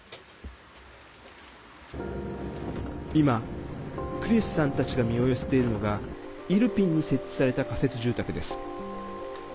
今、クリシュさんたちが身を寄せているのがイルピンに設置された仮設住宅です。